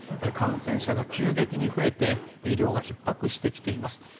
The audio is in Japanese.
感染者が急激に増えて医療がひっ迫してきています。